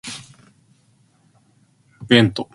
He went to Merchiston Castle School in Edinburgh.